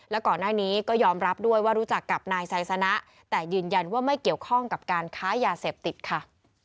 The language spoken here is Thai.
และก่อนหน้านี้ก็ยอมรับด้วยว่ารู้จักกับนายไซสนะแต่ยืนยันว่าไม่เกี่ยวข้องกับการค้ายาเสพติดค่ะ